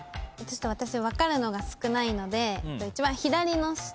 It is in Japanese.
私分かるのが少ないので一番左の下一番下で。